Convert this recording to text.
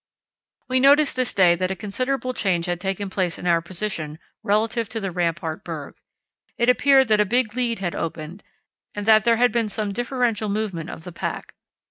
We noticed this day that a considerable change had taken place in our position relative to the Rampart Berg. It appeared that a big lead had opened and that there had been some differential movement of the pack.